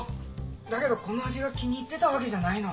だけどここの味が気に入ってたわけじゃないの。